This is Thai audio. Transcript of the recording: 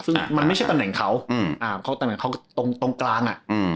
ซึ่งมันไม่ใช่ตำแหน่งเขาเขาตำแหน่งเขาตรงกลาง